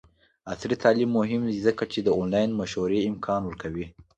عصري تعلیم مهم دی ځکه چې د آنلاین مشورې امکان ورکوي.